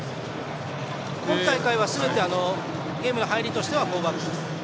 今大会は、すべてゲームの入りとしては４バック。